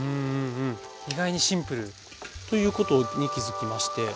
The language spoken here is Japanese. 意外にシンプル。ということに気付きまして。